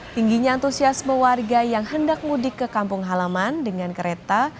tingginya antusiasme warga yang hendak mudik ke kampung halaman dengan kereta